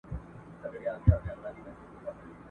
هغه به کیږي چي لیکلي وي کاتب د ازل !.